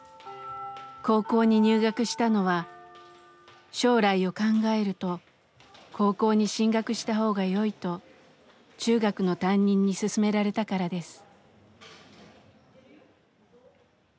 高校に入学したのは「将来を考えると高校に進学した方がよい」と中学の担任に勧められたからです。